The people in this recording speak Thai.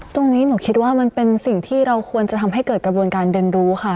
ตรงนี้หนูคิดว่ามันเป็นสิ่งที่เราควรจะทำให้เกิดกระบวนการเรียนรู้ค่ะ